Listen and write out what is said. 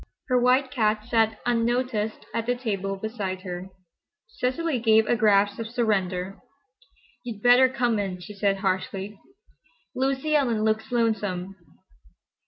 Her white cat sat unnoticed at the table beside her. Cecily gave a gasp of surrender. "You'd better come in," she said, harshly. "Lucy Ellen looks lonesome."